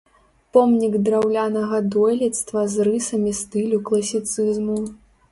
Помнік драўлянага дойлідства з рысамі стылю класіцызму.